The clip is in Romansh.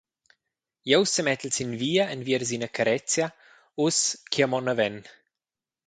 Jeu semettel sin via enviers ina carezia, uss ch’jeu mon naven.